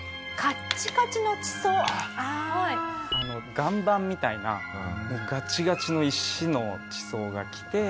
岩盤みたいなガッチガチの石の地層がきて。